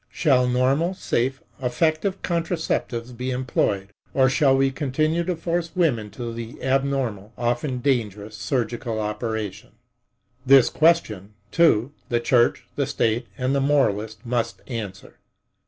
Shall normal, safe, effective contraceptives be employed, or shall we continue to force women to the abnormal, often dangerous surgical operation? This question, too, the church, the state and the moralist must answer.